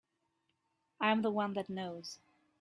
I'm the one that knows.